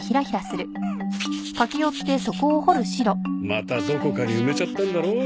またどこかに埋めちゃったんだろ？